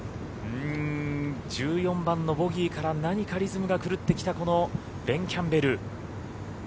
１４番のボギーから何かリズムが狂ってきたこのベン・キャンベル。